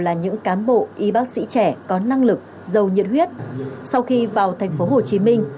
là những cán bộ y bác sĩ trẻ có năng lực giàu nhiệt huyết sau khi vào thành phố hồ chí minh